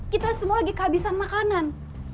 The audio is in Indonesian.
kita semua lagi kehabisan makanan